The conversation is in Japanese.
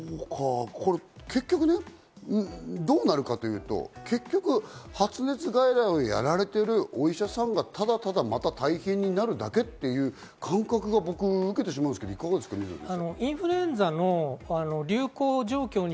結局どうなるかっていうと、発熱外来にやられているお医者さんがただただ、また大変になるだけっていう感覚が僕の中にあるんですが、いかがでしょうか？